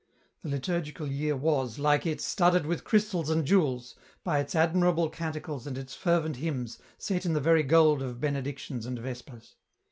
The liturgical year was, like it, studded with crystals and jewels by its admirable canticles and its fervent hymns set in the very gold of Benedictions and Vespers.